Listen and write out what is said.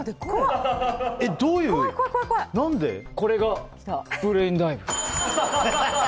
これがブレインダイブ。